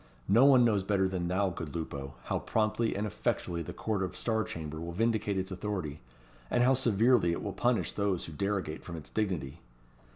"No one knows better than thou, good Lupo, how promptly and effectually the court of Star Chamber will vindicate its authority, and how severely it will punish those who derogate from its dignity.